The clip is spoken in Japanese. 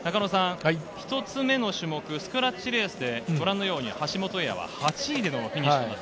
１つ目の種目、スクラッチレースでご覧のように橋本英也は８位でのフィニッシュです。